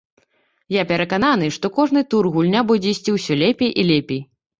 Я перакананы, што кожны тур гульня будзе ісці ўсё лепей і лепей.